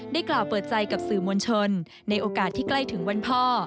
กล่าวเปิดใจกับสื่อมวลชนในโอกาสที่ใกล้ถึงวันพ่อ